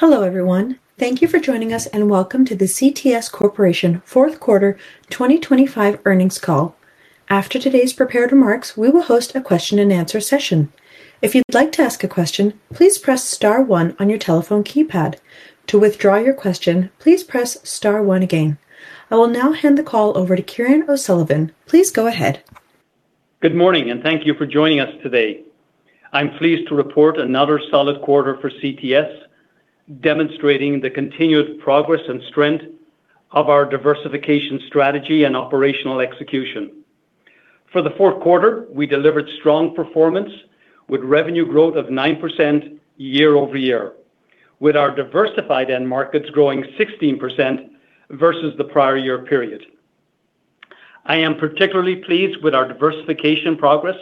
Hello everyone. Thank you for joining us and welcome to the CTS Corporation 4th Quarter 2025 Earnings Call. After today's prepared remarks, we will host a question-and-answer session. If you'd like to ask a question, please press star 1 on your telephone keypad. To withdraw your question, please press star 1 again. I will now hand the call over to Kieran O'Sullivan. Please go ahead. Good morning and thank you for joining us today. I'm pleased to report another solid quarter for CTS, demonstrating the continued progress and strength of our diversification strategy and operational execution. For the 4th quarter, we delivered strong performance with revenue growth of 9% year over year, with our diversified end markets growing 16% versus the prior year period. I am particularly pleased with our diversification progress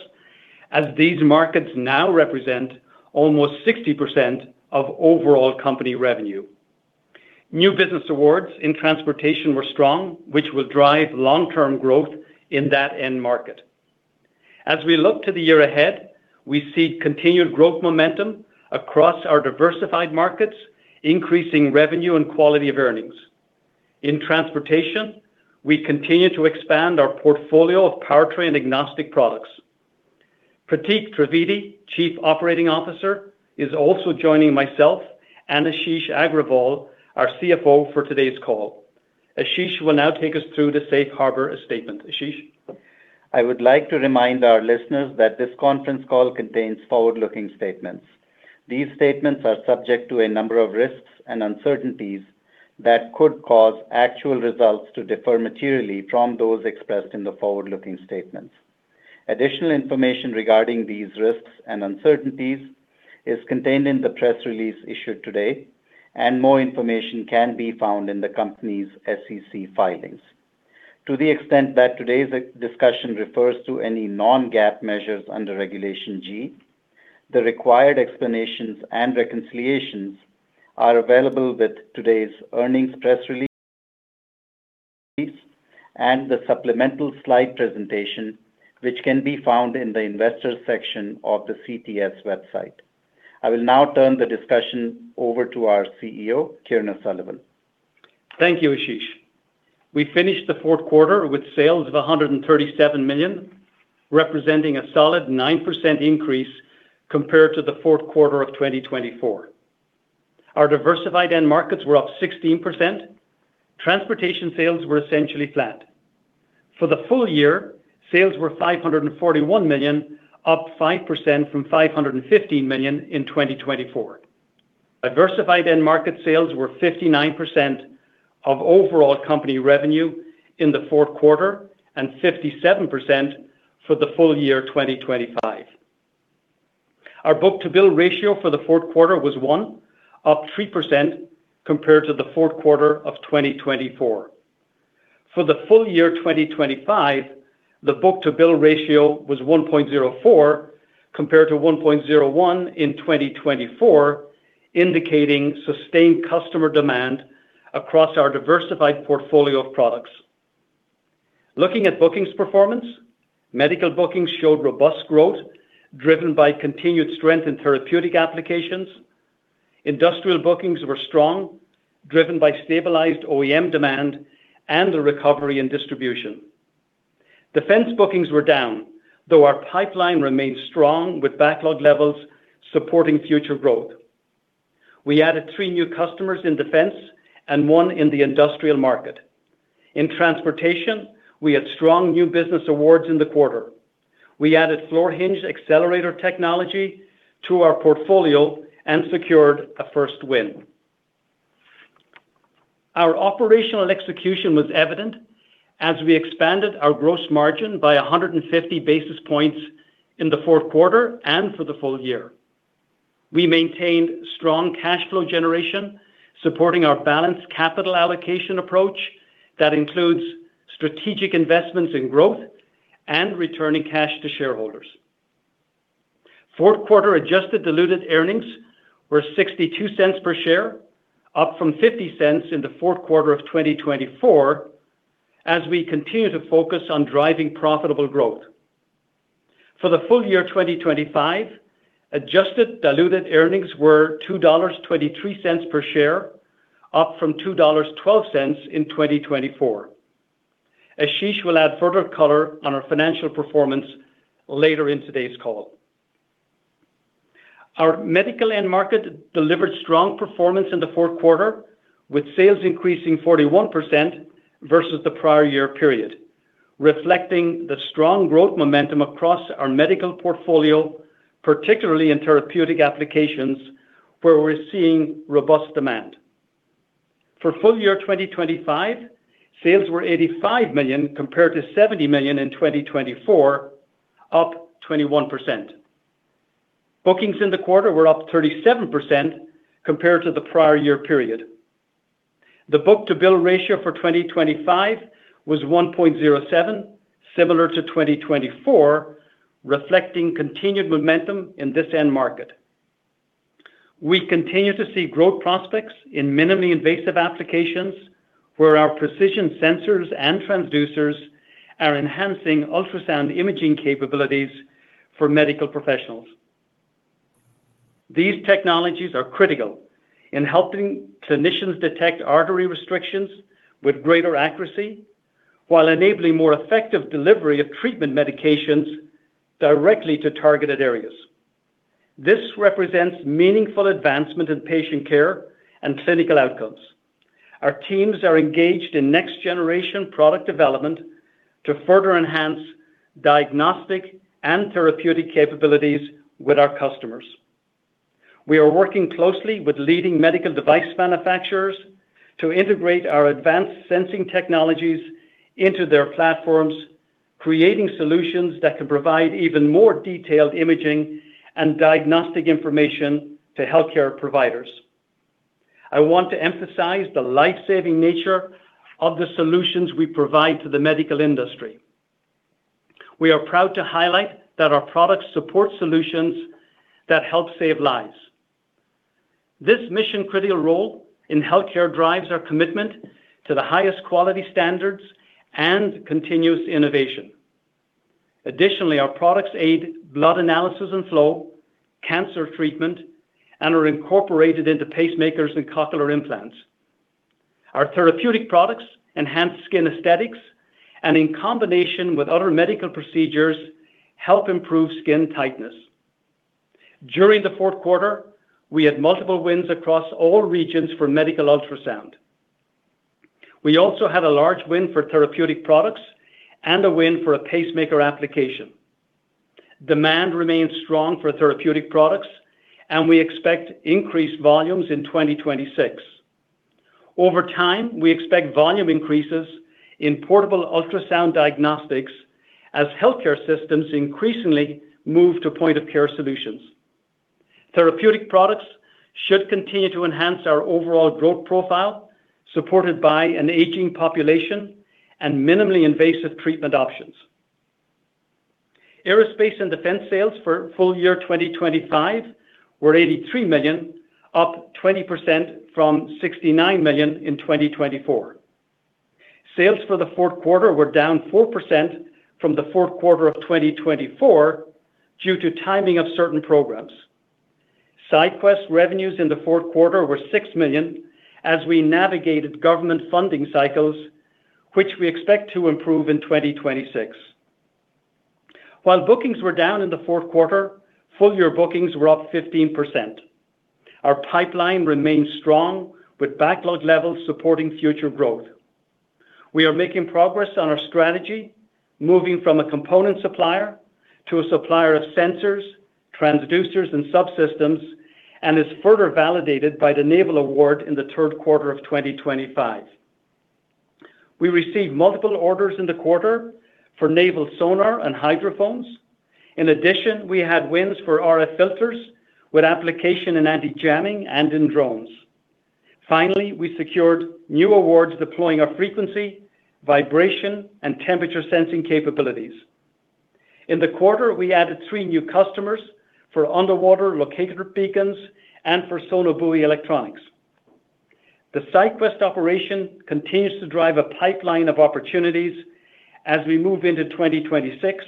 as these markets now represent almost 60% of overall company revenue. New business awards in transportation were strong, which will drive long-term growth in that end market. As we look to the year ahead, we see continued growth momentum across our diversified markets, increasing revenue and quality of earnings. In transportation, we continue to expand our portfolio of powertrain agnostic products. Pratik Trivedi, Chief Operating Officer, is also joining myself and Ashish Agrawal, our CFO, for today's call. Ashish will now take us through the Safe Harbor Statement. Ashish? I would like to remind our listeners that this conference call contains forward-looking statements. These statements are subject to a number of risks and uncertainties that could cause actual results to differ materially from those expressed in the forward-looking statements. Additional information regarding these risks and uncertainties is contained in the press release issued today, and more information can be found in the company's SEC filings. To the extent that today's discussion refers to any non-GAAP measures under Regulation G, the required explanations and reconciliations are available with today's earnings press release and the supplemental slide presentation, which can be found in the Investors section of the CTS website. I will now turn the discussion over to our CEO, Kieran O'Sullivan. Thank you, Ashish. We finished the 4th quarter with sales of $137 million, representing a solid 9% increase compared to the 4th quarter of 2024. Our diversified-end markets were up 16%. Transportation sales were essentially flat. For the full year, sales were $541 million, up 5% from $515 million in 2024. Diversified-end market sales were 59% of overall company revenue in the 4th quarter and 57% for the full year 2025. Our Book-to-Bill Ratio for the 4th quarter was 1.0, up 3% compared to the 4th quarter of 2024. For the full year 2025, the Book-to-Bill Ratio was 1.04 compared to 1.01 in 2024, indicating sustained customer demand across our diversified portfolio of products. Looking at bookings performance, medical bookings showed robust growth driven by continued strength in therapeutic applications. Industrial bookings were strong, driven by stabilized OEM demand and the recovery in distribution. Defense bookings were down, though our pipeline remained strong with backlog levels supporting future growth. We added three new customers in defense and one in the industrial market. In transportation, we had strong new business awards in the quarter. We added floor-hinged accelerator technology to our portfolio and secured a first win. Our operational execution was evident as we expanded our gross margin by 150 basis points in the 4th quarter and for the full year. We maintained strong cash flow generation supporting our balanced capital allocation approach that includes strategic investments in growth and returning cash to shareholders. 4th quarter adjusted diluted earnings were $0.62 per share, up from $0.50 in the 4th quarter of 2024 as we continue to focus on driving profitable growth. For the full year 2025, adjusted diluted earnings were $2.23 per share, up from $2.12 in 2024. Ashish will add further color on our financial performance later in today's call. Our medical end market delivered strong performance in the 4th quarter, with sales increasing 41% versus the prior year period, reflecting the strong growth momentum across our medical portfolio, particularly in therapeutic applications where we're seeing robust demand. For full year 2025, sales were $85 million compared to $70 million in 2024, up 21%. Bookings in the quarter were up 37% compared to the prior year period. The book-to-bill ratio for 2025 was 1.07, similar to 2024, reflecting continued momentum in this end market. We continue to see growth prospects in minimally invasive applications where our precision sensors and transducers are enhancing ultrasound imaging capabilities for medical professionals. These technologies are critical in helping clinicians detect artery restrictions with greater accuracy while enabling more effective delivery of treatment medications directly to targeted areas. This represents meaningful advancement in patient care and clinical outcomes. Our teams are engaged in next-generation product development to further enhance diagnostic and therapeutic capabilities with our customers. We are working closely with leading medical device manufacturers to integrate our advanced sensing technologies into their platforms, creating solutions that can provide even more detailed imaging and diagnostic information to healthcare providers. I want to emphasize the lifesaving nature of the solutions we provide to the medical industry. We are proud to highlight that our products support solutions that help save lives. This mission-critical role in healthcare drives our commitment to the highest quality standards and continuous innovation. Additionally, our products aid blood analysis and flow, cancer treatment, and are incorporated into pacemakers and cochlear implants. Our therapeutic products enhance skin aesthetics and, in combination with other medical procedures, help improve skin tightness. During the 4th quarter, we had multiple wins across all regions for medical ultrasound. We also had a large win for therapeutic products and a win for a pacemaker application. Demand remains strong for therapeutic products, and we expect increased volumes in 2026. Over time, we expect volume increases in portable ultrasound diagnostics as healthcare systems increasingly move to point-of-care solutions. Therapeutic products should continue to enhance our overall growth profile, supported by an aging population and minimally invasive treatment options. Aerospace and defense sales for full year 2025 were $83 million, up 20% from $69 million in 2024. Sales for the 4th quarter were down 4% from the 4th quarter of 2024 due to timing of certain programs. SyQwest revenues in the 4th quarter were $6 million as we navigated government funding cycles, which we expect to improve in 2026. While bookings were down in the 4th quarter, full-year bookings were up 15%. Our pipeline remains strong, with backlog levels supporting future growth. We are making progress on our strategy, moving from a component supplier to a supplier of sensors, transducers, and subsystems, and is further validated by the Naval award in the 3rd quarter of 2025. We received multiple orders in the quarter for Naval sonar and hydrophones. In addition, we had wins for RF filters with application in anti-jamming and in drones. Finally, we secured new awards deploying our frequency, vibration, and temperature sensing capabilities. In the quarter, we added three new customers for underwater locator beacons and for sonobuoys electronics. The SyQwest operation continues to drive a pipeline of opportunities as we move into 2026,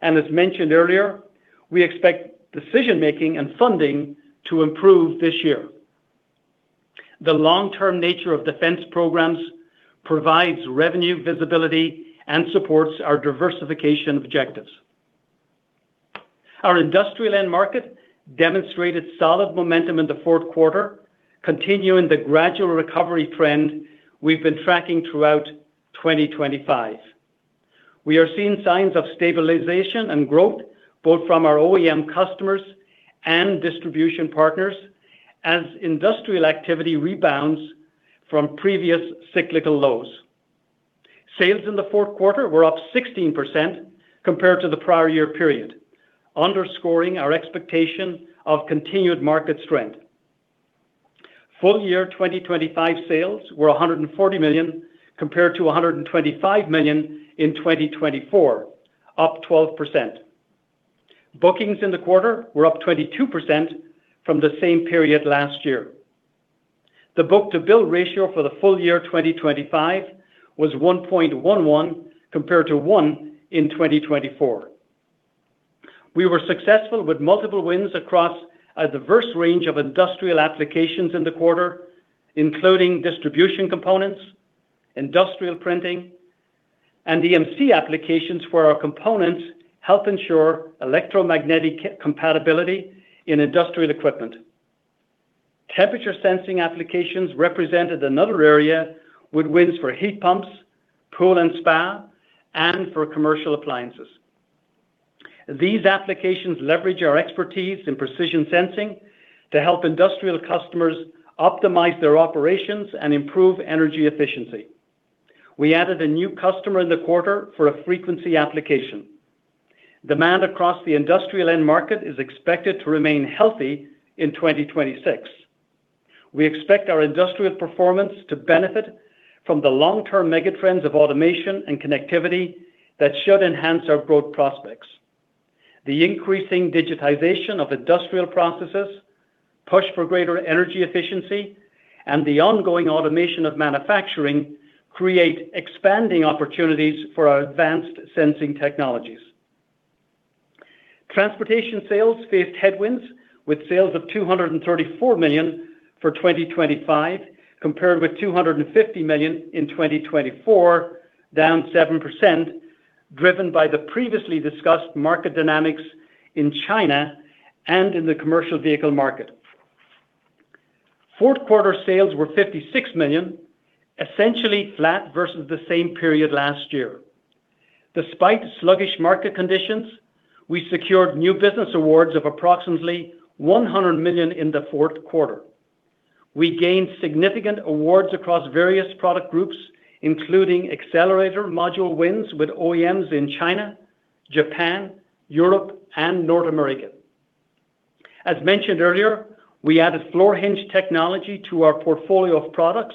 and as mentioned earlier, we expect decision-making and funding to improve this year. The long-term nature of defense programs provides revenue visibility and supports our diversification objectives. Our industrial end-market demonstrated solid momentum in the fourth quarter, continuing the gradual recovery trend we've been tracking throughout 2025. We are seeing signs of stabilization and growth both from our OEM customers and distribution partners as industrial activity rebounds from previous cyclical lows. Sales in the fourth quarter were up 16% compared to the prior year period, underscoring our expectation of continued market strength. Full year 2025 sales were $140 million compared to $125 million in 2024, up 12%. Bookings in the quarter were up 22% from the same period last year. The book-to-bill ratio for the full year 2025 was 1.11 compared to 1 in 2024. We were successful with multiple wins across a diverse range of industrial applications in the quarter, including distribution components, industrial printing, and EMC applications where our components help ensure electromagnetic compatibility in industrial equipment. Temperature sensing applications represented another area with wins for heat pumps, pool and spa, and for commercial appliances. These applications leverage our expertise in precision sensing to help industrial customers optimize their operations and improve energy efficiency. We added a new customer in the quarter for a frequency application. Demand across the industrial-end market is expected to remain healthy in 2026. We expect our industrial performance to benefit from the long-term megatrends of automation and connectivity that should enhance our growth prospects. The increasing digitization of industrial processes, push for greater energy efficiency, and the ongoing automation of manufacturing create expanding opportunities for our advanced sensing technologies. Transportation sales faced headwinds with sales of $234 million for 2025 compared with $250 million in 2024, down 7%, driven by the previously discussed market dynamics in China and in the commercial vehicle market. 4th quarter sales were $56 million, essentially flat versus the same period last year. Despite sluggish market conditions, we secured new business awards of approximately $100 million in the 4th quarter. We gained significant awards across various product groups, including accelerator module wins with OEMs in China, Japan, Europe, and North America. As mentioned earlier, we added floor-hinged technology to our portfolio of products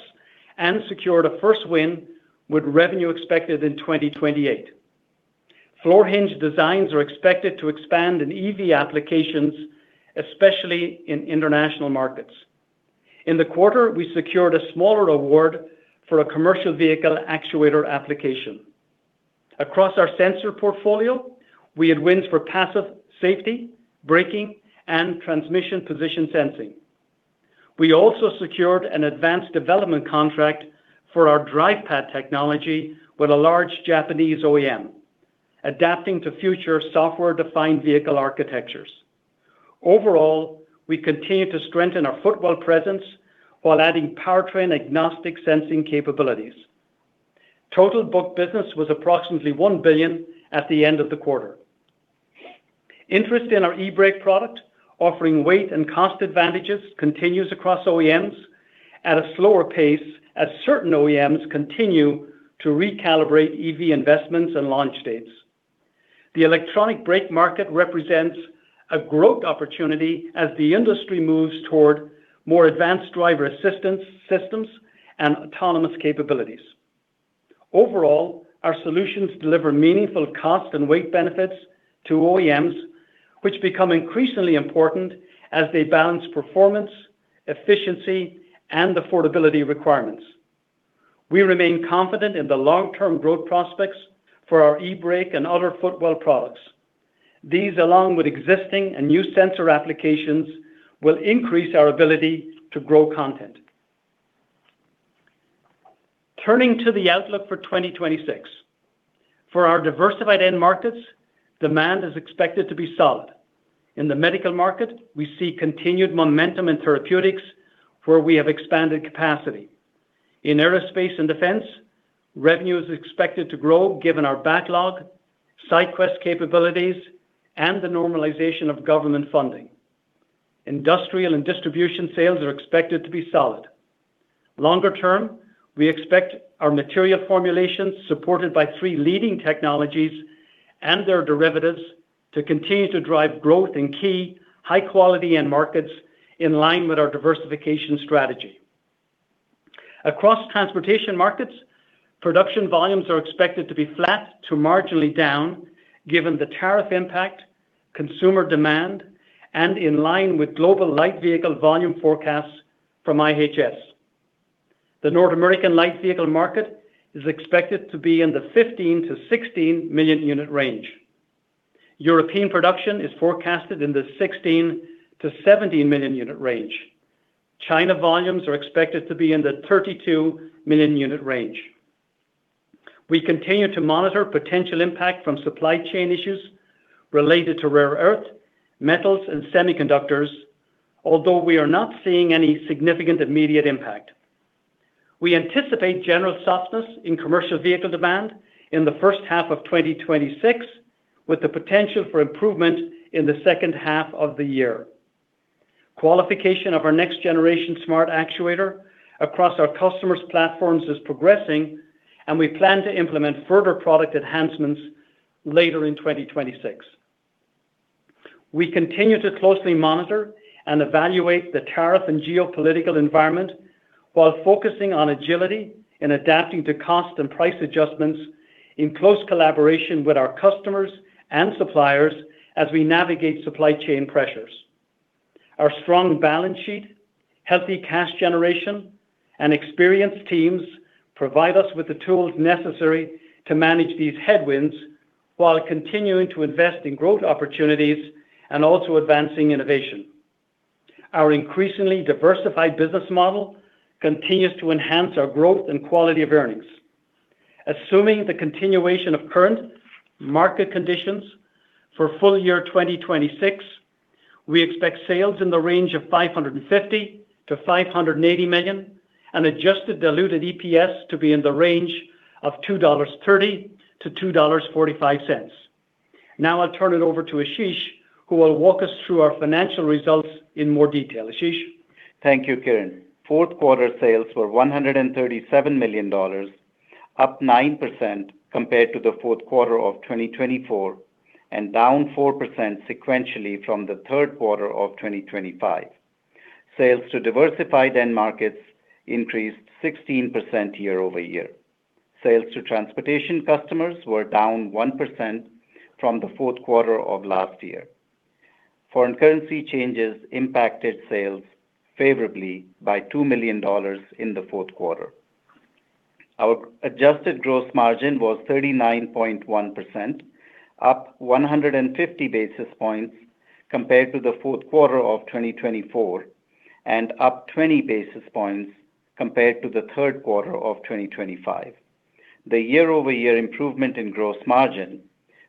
and secured a first win with revenue expected in 2028. Floor-hinged designs are expected to expand in EV applications, especially in international markets. In the quarter, we secured a smaller award for a commercial vehicle actuator application. Across our sensor portfolio, we had wins for passive safety, braking, and transmission position sensing. We also secured an advanced development contract for our DrivePad technology with a large Japanese OEM, adapting to future software-defined vehicle architectures. Overall, we continue to strengthen our footwell presence while adding powertrain agnostic sensing capabilities. Total book business was approximately $1 billion at the end of the quarter. Interest in our eBrake product, offering weight and cost advantages, continues across OEMs at a slower pace as certain OEMs continue to recalibrate EV investments and launch dates. The electronic brake market represents a growth opportunity as the industry moves toward more advanced driver assistance systems and autonomous capabilities. Overall, our solutions deliver meaningful cost and weight benefits to OEMs, which become increasingly important as they balance performance, efficiency, and affordability requirements. We remain confident in the long-term growth prospects for our eBrake and other footwell products. These, along with existing and new sensor applications, will increase our ability to grow content. Turning to the outlook for 2026. For our diversified end markets, demand is expected to be solid. In the medical market, we see continued momentum in therapeutics where we have expanded capacity. In aerospace and defense, revenue is expected to grow given our backlog, SyQwest capabilities, and the normalization of government funding. Industrial and distribution sales are expected to be solid. Longer term, we expect our material formulations, supported by three leading technologies and their derivatives, to continue to drive growth in key, high-quality end markets in line with our diversification strategy. Across transportation markets, production volumes are expected to be flat to marginally down given the tariff impact, consumer demand, and in line with global light vehicle volume forecasts from IHS. The North American light vehicle market is expected to be in the $15-$16 million unit range. European production is forecasted in the $16-$17 million unit range. China volumes are expected to be in the $32 million unit range. We continue to monitor potential impact from supply chain issues related to rare earth, metals, and semiconductors, although we are not seeing any significant immediate impact. We anticipate general softness in commercial vehicle demand in the first half of 2026, with the potential for improvement in the second half of the year. Qualification of our next-generation smart actuator across our customers' platforms is progressing, and we plan to implement further product enhancements later in 2026. We continue to closely monitor and evaluate the tariff and geopolitical environment while focusing on agility in adapting to cost and price adjustments in close collaboration with our customers and suppliers as we navigate supply chain pressures. Our strong balance sheet, healthy cash generation, and experienced teams provide us with the tools necessary to manage these headwinds while continuing to invest in growth opportunities and also advancing innovation. Our increasingly diversified business model continues to enhance our growth and quality of earnings. Assuming the continuation of current market conditions for full year 2026, we expect sales in the range of $550-$580 million and Adjusted Diluted EPS to be in the range of $2.30-$2.45. Now I'll turn it over to Ashish, who will walk us through our financial results in more detail. Ashish? Thank you, Kieran. 4th quarter sales were $137 million, up 9% compared to the 4th quarter of 2024 and down 4% sequentially from the 3rd quarter of 2025. Sales to diversified-end markets increased 16% year-over-year. Sales to transportation customers were down 1% from the 4th quarter of last year. Foreign currency changes impacted sales favorably by $2 million in the 4th quarter. Our adjusted gross margin was 39.1%, up 150 basis points compared to the 4th quarter of 2024 and up 20 basis points compared to the 3rd quarter of 2025. The year-over-year improvement in gross margin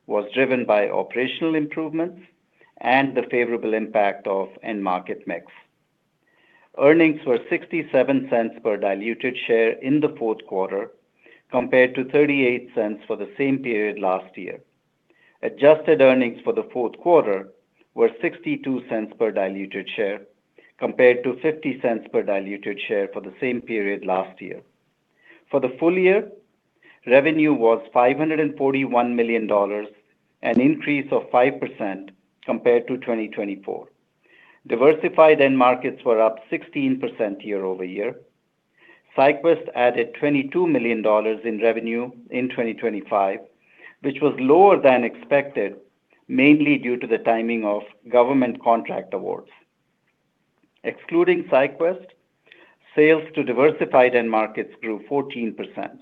was driven by operational improvements and the favorable impact of end-market mix. Earnings were $0.67 per diluted share in the 4th quarter compared to $0.38 for the same period last year. Adjusted earnings for the 4th quarter were $0.62 per diluted share compared to $0.50 per diluted share for the same period last year. For the full year, revenue was $541 million, an increase of 5% compared to 2024. Diversified-end markets were up 16% year-over-year. SyQwest added $22 million in revenue in 2025, which was lower than expected, mainly due to the timing of government contract awards. Excluding SyQwest, sales to diversified-end markets grew 14%.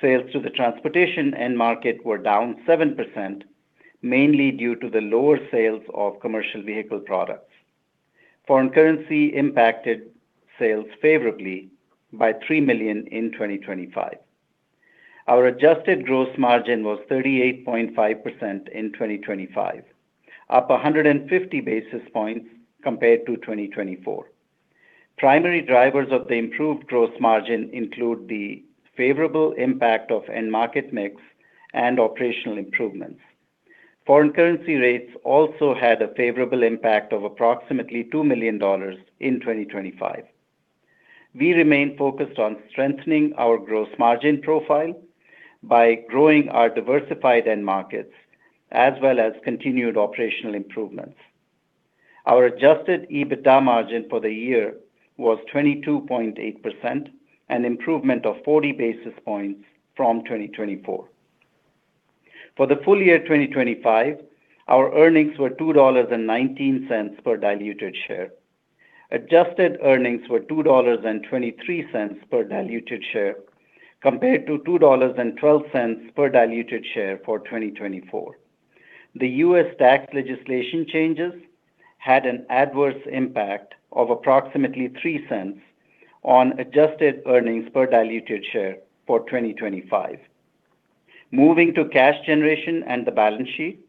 Sales to the transportation-end market were down 7%, mainly due to the lower sales of commercial vehicle products. Foreign currency impacted sales favorably by $3 million in 2025. Our adjusted gross margin was 38.5% in 2025, up 150 basis points compared to 2024. Primary drivers of the improved gross margin include the favorable impact of end-market mix and operational improvements. Foreign currency rates also had a favorable impact of approximately $2 million in 2025. We remain focused on strengthening our gross margin profile by growing our diversified-end markets as well as continued operational improvements. Our adjusted EBITDA margin for the year was 22.8%, an improvement of 40 basis points from 2024. For the full year 2025, our earnings were $2.19 per diluted share. Adjusted earnings were $2.23 per diluted share compared to $2.12 per diluted share for 2024. The U.S. tax legislation changes had an adverse impact of approximately $0.03 on adjusted earnings per diluted share for 2025. Moving to cash generation and the balance sheet,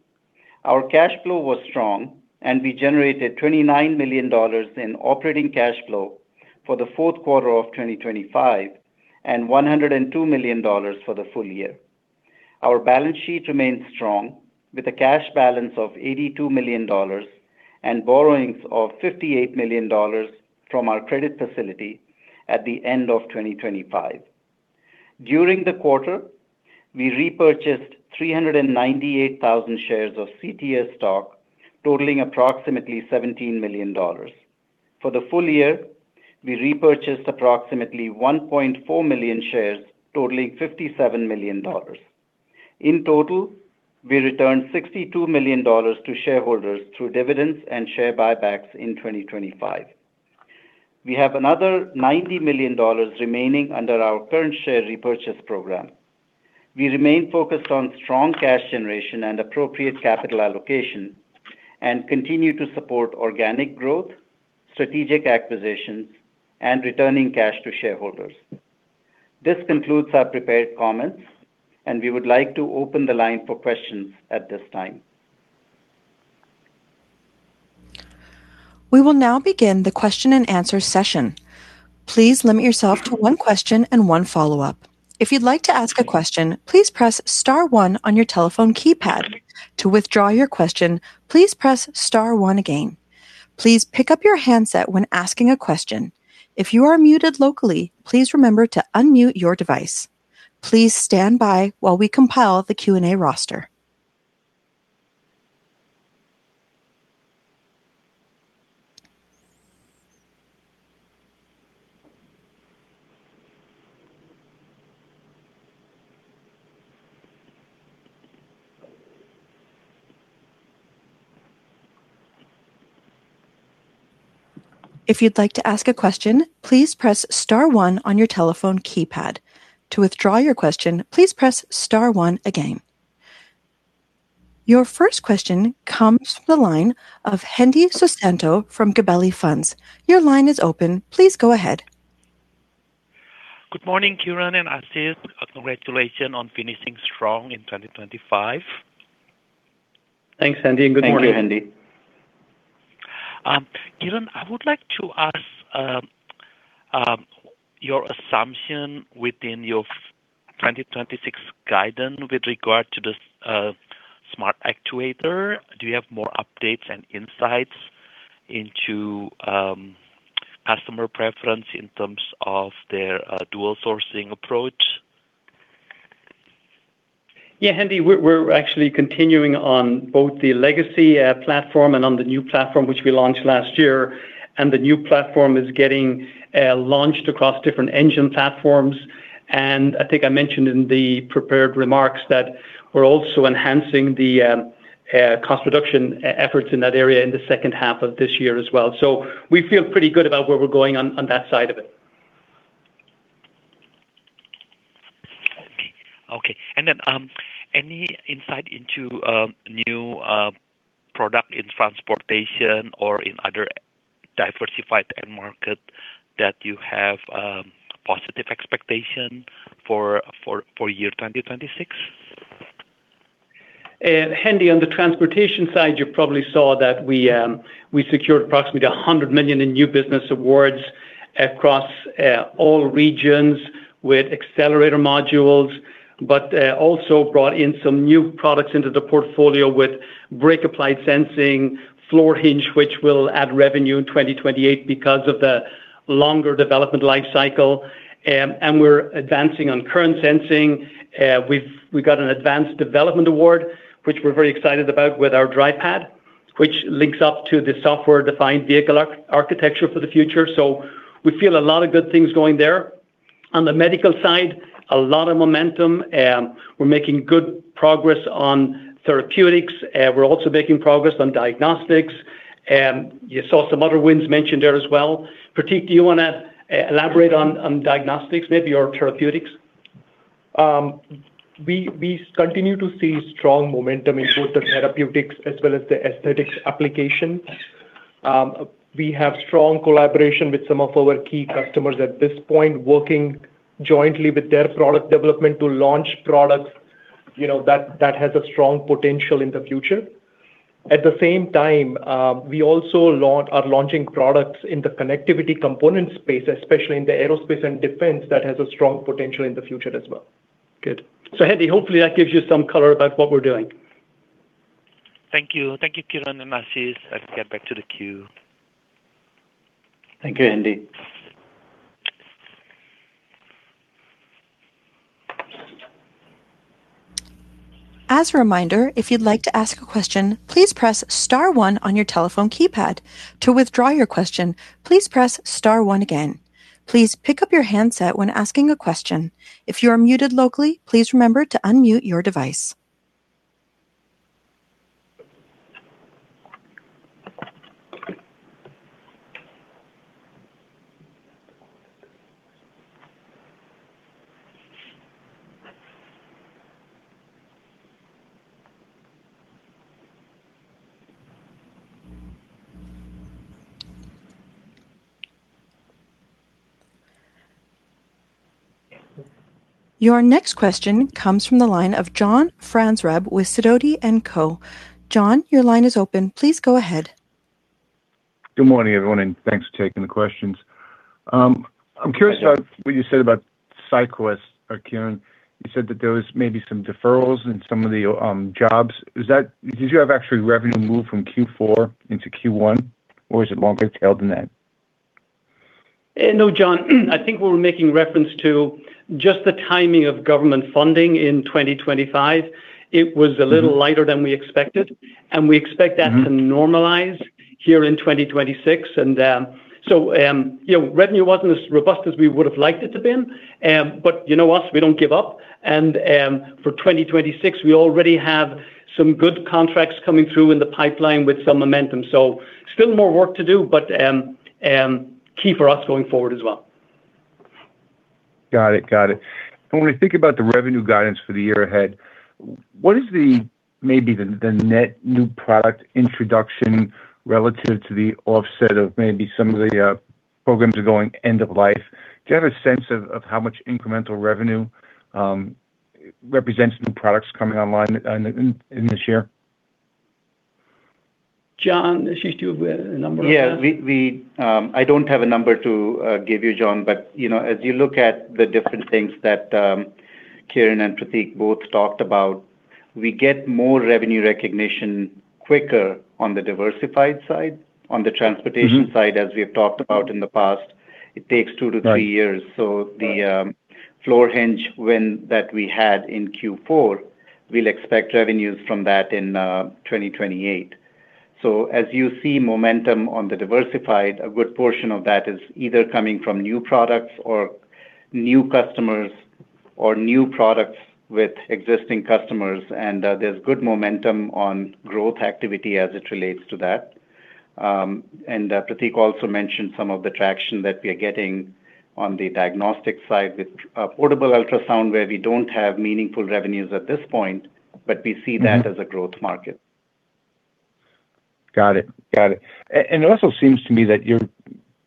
our cash flow was strong, and we generated $29 million in operating cash flow for the 4th quarter of 2025 and $102 million for the full year. Our balance sheet remains strong, with a cash balance of $82 million and borrowings of $58 million from our credit facility at the end of 2025. During the quarter, we repurchased 398,000 shares of CTS stock, totaling approximately $17 million. For the full year, we repurchased approximately 1.4 million shares, totaling $57 million. In total, we returned $62 million to shareholders through dividends and share buybacks in 2025. We have another $90 million remaining under our current share repurchase program. We remain focused on strong cash generation and appropriate capital allocation and continue to support organic growth, strategic acquisitions, and returning cash to shareholders. This concludes our prepared comments, and we would like to open the line for questions at this time. We will now begin the question-and-answer session. Please limit yourself to one question and one follow-up. If you'd like to ask a question, please press star 1 on your telephone keypad. To withdraw your question, please press star 1 again. Please pick up your handset when asking a question. If you are muted locally, please remember to unmute your device. Please stand by while we compile the Q&A roster. If you'd like to ask a question, please press star 1 on your telephone keypad. To withdraw your question, please press star 1 again. Your first question comes from the line of Hendy Susanto from Gabelli Funds. Your line is open. Please go ahead. Good morning, Kieran and Ashish. Congratulations on finishing strong in 2025. Thanks, Hendy, and good morning. Thank you, Hendy. Kieran, I would like to ask your assumption within your 2026 guidance with regard to the smart actuator. Do you have more updates and insights into customer preference in terms of their dual-sourcing approach? Yeah, Hendy, we're actually continuing on both the legacy platform and on the new platform, which we launched last year. The new platform is getting launched across different engine platforms. I think I mentioned in the prepared remarks that we're also enhancing the cost-production efforts in that area in the second half of this year as well. We feel pretty good about where we're going on that side of it. Okay. Then any insight into new product in transportation or in other diversified-end markets that you have positive expectations for year 2026? Hendy, on the transportation side, you probably saw that we secured approximately $100 million in new business awards across all regions with accelerator modules, but also brought in some new products into the portfolio with brake-applied sensing, floor hinge, which will add revenue in 2028 because of the longer development lifecycle. We're advancing on current sensing. We've got an advanced development award, which we're very excited about, with our DrivePad, which links up to the software-defined vehicle architecture for the future. So we feel a lot of good things going there. On the medical side, a lot of momentum. We're making good progress on therapeutics. We're also making progress on diagnostics. You saw some other wins mentioned there as well. Pratik, do you want to elaborate on diagnostics, maybe, or therapeutics? We continue to see strong momentum in both the therapeutics as well as the aesthetics application. We have strong collaboration with some of our key customers at this point, working jointly with their product development to launch products that has a strong potential in the future. At the same time, we also are launching products in the connectivity component space, especially in the aerospace and defense, that has a strong potential in the future as well. Good. So Hendy, hopefully, that gives you some color about what we're doing. Thank you. Thank you, Kieran and Ashish. Let's get back to the queue. Thank you, Hendy. As a reminder, if you'd like to ask a question, please press star 1 on your telephone keypad. To withdraw your question, please press star 1 again. Please pick up your handset when asking a question. If you are muted locally, please remember to unmute your device. Your next question comes from the line of John Franzreb with Sidoti & Co. John, your line is open. Please go ahead. Good morning, everyone, and thanks for taking the questions. I'm curious about what you said about SyQwest, or Kieran. You said that there was maybe some deferrals in some of the jobs. Did you have actually revenue move from Q4 into Q1, or is it longer tailed than that? No, John. I think we were making reference to just the timing of government funding in 2025. It was a little lighter than we expected, and we expect that to normalize here in 2026. And so revenue wasn't as robust as we would have liked it to have been. But you know us. We don't give up. And for 2026, we already have some good contracts coming through in the pipeline with some momentum. So still more work to do, but key for us going forward as well. Got it. Got it. And when we think about the revenue guidance for the year ahead, what is maybe the net new product introduction relative to the offset of maybe some of the programs are going end-of-life? Do you have a sense of how much incremental revenue represents new products coming online in this year? John, Ashish, do you have a number of that? Yeah. I don't have a number to give you, John. As you look at the different things that Kieran and Pratik both talked about, we get more revenue recognition quicker on the diversified side. On the transportation side, as we have talked about in the past, it takes 2-3 years. So the floor hinge win that we had in Q4, we'll expect revenues from that in 2028. So as you see momentum on the diversified, a good portion of that is either coming from new products or new customers or new products with existing customers. And there's good momentum on growth activity as it relates to that. And Pratik also mentioned some of the traction that we are getting on the diagnostic side with portable ultrasound where we don't have meaningful revenues at this point, but we see that as a growth market. Got it. Got it. It also seems to me that you're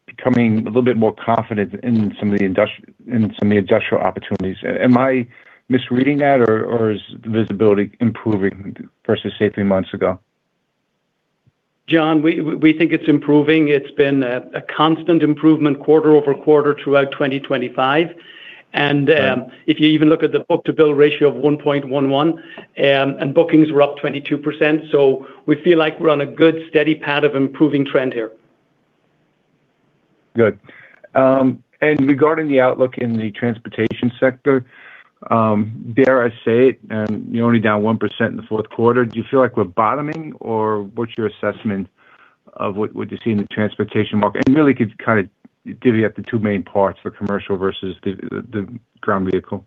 becoming a little bit more confident in some of the industrial opportunities. Am I misreading that, or is the visibility improving versus say, three months ago? John, we think it's improving. It's been a constant improvement quarter-over-quarter throughout 2025. If you even look at the book-to-bill ratio of 1.11, and bookings were up 22%. So we feel like we're on a good, steady path of improving trend here. Good. Regarding the outlook in the transportation sector, dare I say it, you're only down 1% in the fourth quarter. Do you feel like we're bottoming, or what's your assessment of what you see in the transportation market? And really, could you kind of divvy up the two main parts, the commercial versus the ground vehicle?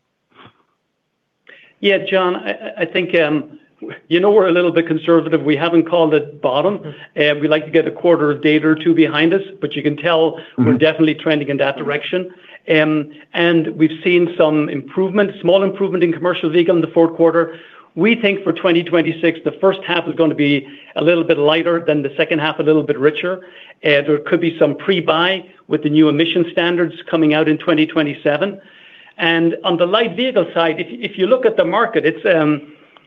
Yeah, John. I think we're a little bit conservative. We haven't called it bottom. We'd like to get a quarter or a day or two behind us, but you can tell we're definitely trending in that direction. We've seen some improvement, small improvement in commercial vehicle in the fourth quarter. We think for 2026, the first half is going to be a little bit lighter than the second half, a little bit richer. There could be some pre-buy with the new emission standards coming out in 2027. On the light vehicle side, if you look at the market, it's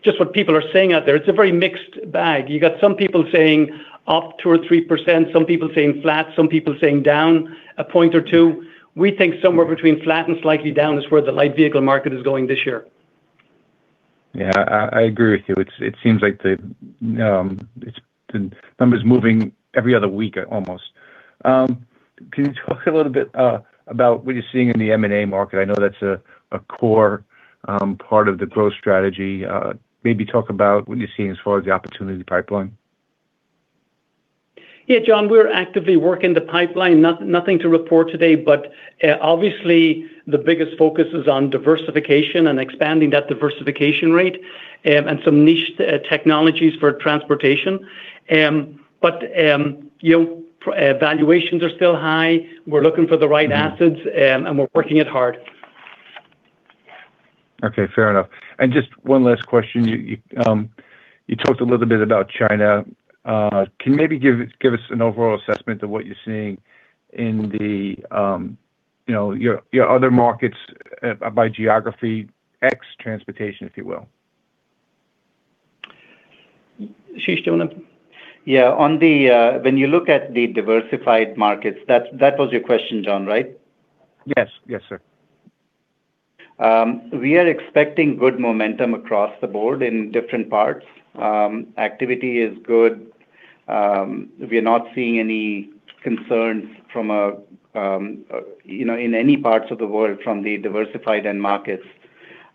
just what people are saying out there. It's a very mixed bag. You've got some people saying up 2% or 3%, some people saying flat, some people saying down a point or two. We think somewhere between flat and slightly down is where the light vehicle market is going this year. Yeah, I agree with you. It seems like the number's moving every other week, almost. Can you talk a little bit about what you're seeing in the M&A market? I know that's a core part of the growth strategy. Maybe talk about what you're seeing as far as the opportunity pipeline. Yeah, John, we're actively working the pipeline. Nothing to report today. But obviously, the biggest focus is on diversification and expanding that diversification rate and some niche technologies for transportation. But valuations are still high. We're looking for the right assets, and we're working it hard. Okay. Fair enough. And just one last question. You talked a little bit about China. Can you maybe give us an overall assessment of what you're seeing in your other markets by geography ex-transportation, if you will? Yeah. When you look at the diversified markets, that was your question, John, right? Yes. Yes, sir. We are expecting good momentum across the board in different parts. Activity is good. We are not seeing any concerns in any parts of the world from the diversified end markets.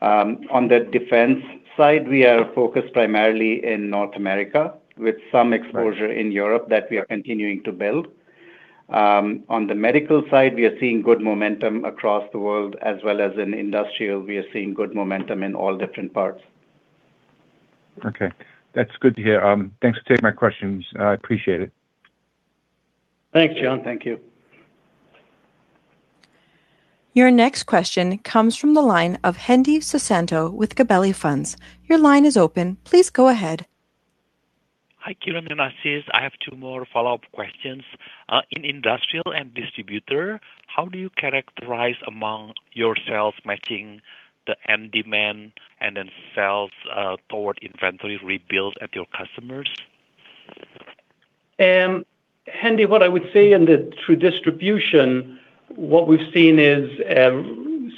On the defense side, we are focused primarily in North America with some exposure in Europe that we are continuing to build. On the medical side, we are seeing good momentum across the world, as well as in industrial. We are seeing good momentum in all different parts. Okay. That's good to hear. Thanks for taking my questions. I appreciate it. Thanks, John. Thank you. Your next question comes from the line of Hendy Susanto with Gabelli Funds. Your line is open. Please go ahead. Hi, Kieran and Ashish. I have two more follow-up questions. In industrial and distributor, how do you characterize among your sales matching the end demand and then sales toward inventory rebuild at your customers? Hendy, what I would say in the true distribution, what we've seen is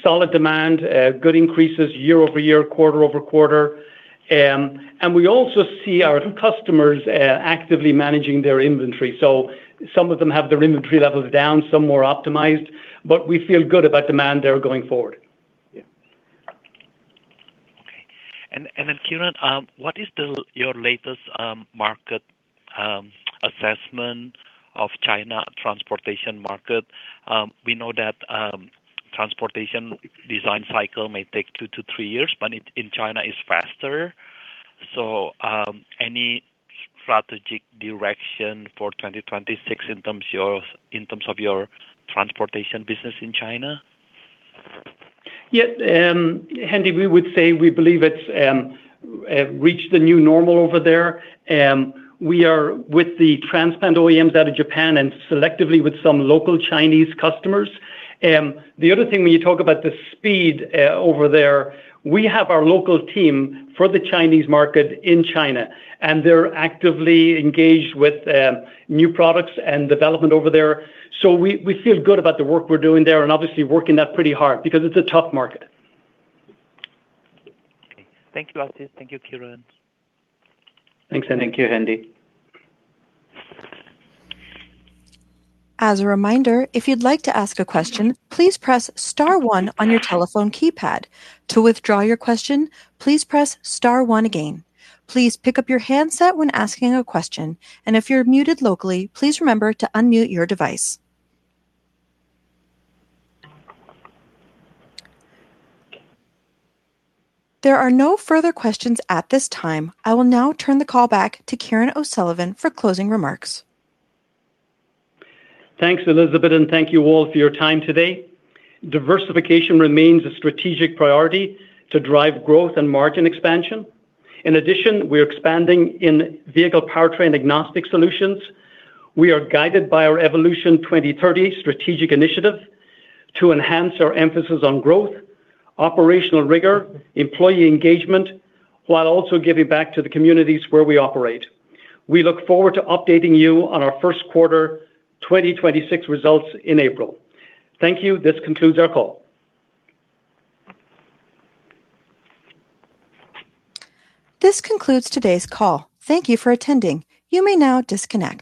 solid demand, good increases year-over-year, quarter-over-quarter. We also see our customers actively managing their inventory. So some of them have their inventory levels down, some more optimized. But we feel good about demand there going forward. Yeah. Okay. And then, Kieran, what is your latest market assessment of China transportation market? We know that transportation design cycle may take 2-3 years, but in China, it's faster. So any strategic direction for 2026 in terms of your transportation business in China? Yeah. Hendy, we would say we believe it's reached the new normal over there. We are with the transplant OEMs out of Japan and selectively with some local Chinese customers. The other thing, when you talk about the speed over there, we have our local team for the Chinese market in China. They're actively engaged with new products and development over there. We feel good about the work we're doing there and obviously working that pretty hard because it's a tough market. Okay. Thank you, Ashish. Thank you, Kieran. Thanks, Hendy. Thank you, Hendy. As a reminder, if you'd like to ask a question, please press star 1 on your telephone keypad. To withdraw your question, please press star 1 again. Please pick up your handset when asking a question. If you're muted locally, please remember to unmute your device. There are no further questions at this time. I will now turn the call back to Kieran O'Sullivan for closing remarks. Thanks, Elizabeth, and thank you all for your time today. Diversification remains a strategic priority to drive growth and margin expansion. In addition, we're expanding in vehicle powertrain-agnostic solutions. We are guided by our Evolution 2030 strategic initiative to enhance our emphasis on growth, operational rigor, employee engagement, while also giving back to the communities where we operate. We look forward to updating you on our first quarter 2026 results in April. Thank you. This concludes our call. This concludes today's call. Thank you for attending. You may now disconnect.